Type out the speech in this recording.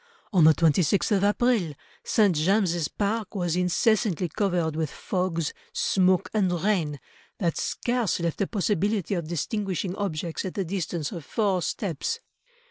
On the 26th of April, St. James's Park was incessantly covered with fogs, smoke, and rain, that scarce left a possibility of distinguishing objects at the distance of four steps."